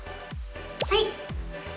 はい。